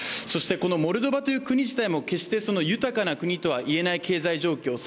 そしてこのモルドバという国自体も決して豊かな国とはいえない経済状況。